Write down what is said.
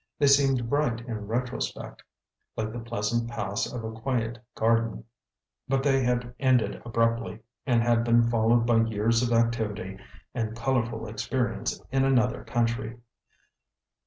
They seemed bright in retrospect, like the pleasant paths of a quiet garden, but they had ended abruptly, and had been followed by years of activity and colorful experience in another country.